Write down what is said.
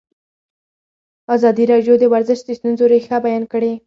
ازادي راډیو د ورزش د ستونزو رېښه بیان کړې.